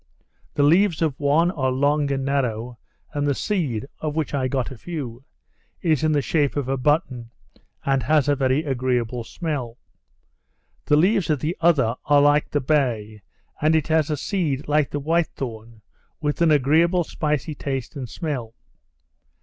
The leaves of one are long and narrow; and the seed (of which I got a few) is in the shape of a button, and has a very agreeable smell. The leaves of the other are like the bay, and it has a seed like the white thorn, with an agreeable spicy taste and smell.